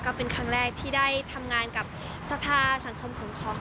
ก็เป็นครั้งแรกที่ได้ทำงานกับสภาสังคมสงคราม